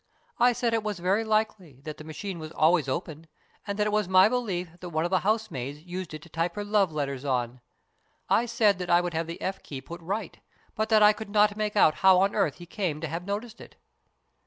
I said it was very likely, that the machine was always open, and that it was my belief that one of the housemaids used it to type her love letters on. I said that I would have the T key put right, but that I could not make out how on earth he came to have noticed it.